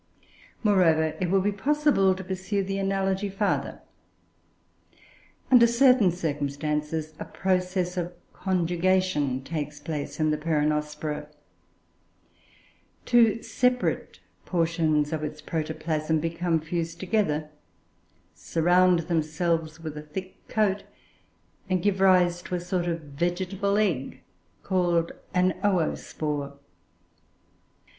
Moreover, it would be possible to pursue the analogy farther. Under certain circumstances, a process of conjugation takes place in the Peronospora. Two separate portions of its protoplasm become fused together, surround themselves with a thick coat and give rise to a sort of vegetable egg called an oospore.